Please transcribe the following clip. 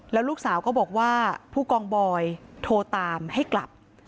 แล้วลูกสาวก็บอกว่าผู้กองบอยโทรตามให้กลับ